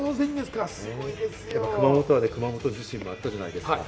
熊本は熊本地震もあったじゃないですか、